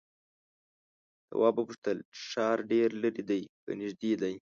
تواب وپوښتل ښار ډېر ليرې دی که نږدې دی؟